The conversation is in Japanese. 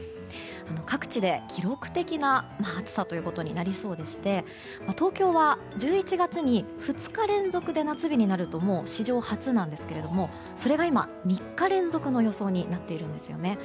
各地で記録的な暑さということになりそうでして東京は、１１月に２日連続で夏日になるともう史上初なんですがそれが今、３日連続の予想になっているんですよね。